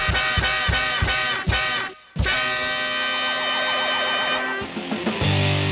อุลติภีมเพราะโอนมีเด็กอ่อน